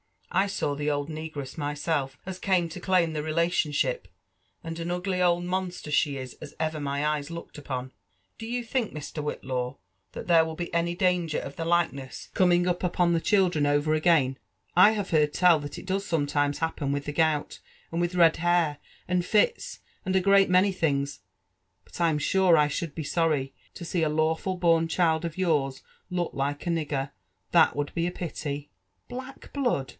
I saw the old negress myself, as came to claim the relationship ; and an ugly old monster she is as ever my eyes looked upon. Do you think, Mr. Whitlaw, that there will be any danger of the likeness coming upon the children over JONATHAN JEFFERSON WHITLAW. t33 agaiD^ I haye heard telllhat it does sometimes happen with the gout, and with red hair, and fits, and a great many things ; but I'm sure I should be sorry to see a lawful born child of yoUrs look like a nigger ;— that tiKntid be a pity I "*« Black blood!"